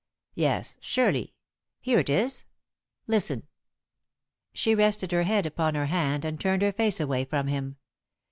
Yes, surely here it is. Listen." She rested her head upon her hand and turned her face away from him.